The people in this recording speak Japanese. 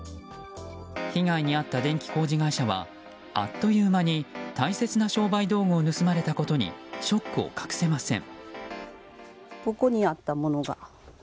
被害に遭った電気工事会社はあっという間に大切な商売道具を盗まれたことにショックを隠せません。